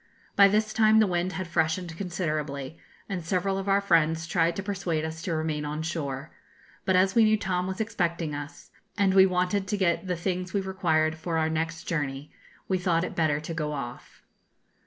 By this time the wind had freshened considerably, and several of our friends tried to persuade us to remain on shore; but as we knew Tom was expecting us, and we wanted to get the things we required for our next journey, we thought it better to go off.